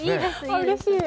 うれしい。